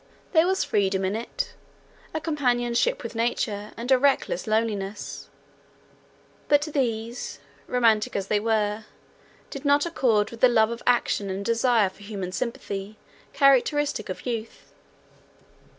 There was freedom in it, a companionship with nature, and a reckless loneliness; but these, romantic as they were, did not accord with the love of action and desire of human sympathy, characteristic of youth.